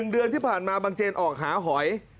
เดือนที่ผ่านมาบางเจนออกหาหอย